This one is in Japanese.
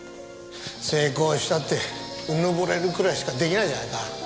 成功したって自惚れるくらいしかできないじゃないか。